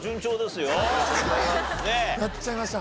やっちゃいました。